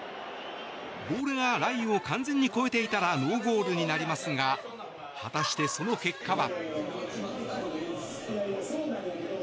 ボールがラインを完全に越えていたらノーゴールになりますが果たして、その結果は。